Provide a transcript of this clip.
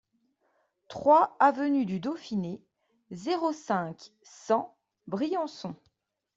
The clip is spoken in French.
trois avenue du Dauphiné, zéro cinq, cent, Briançon